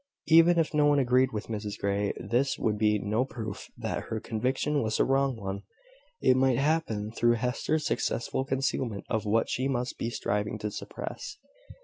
Even if no one agreed with Mrs Grey, this would be no proof that her conviction was a wrong one; it might happen through Hester's successful concealment of what she must be striving to suppress.